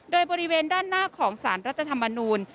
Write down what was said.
โดยบริเวณด้านหน้าของสารรัฐธรรมนูล